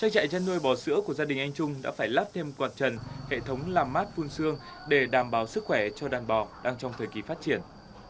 trang trại chăn nuôi bò sữa của gia đình anh trung đã phải lắp thêm quạt trần hệ thống làm mát phun xương để đảm bảo sức khỏe cho đàn bò đang trong thời kỳ phát triển